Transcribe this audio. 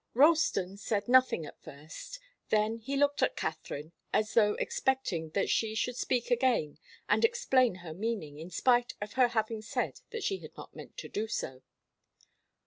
Ralston said nothing at first. Then he looked at Katharine as though expecting that she should speak again and explain her meaning, in spite of her having said that she had not meant to do so.